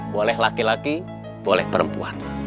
boleh laki laki boleh perempuan